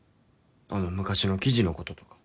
あの昔の記事のこととか。